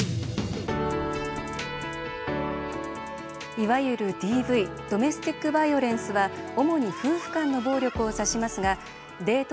いわゆるＤＶ＝ドメスティックバイオレンスは主に夫婦間の暴力を指しますがデート